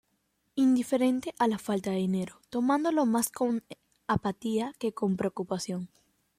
Indiferente a la falta de dinero, tomándolo más con apatía que con preocupación.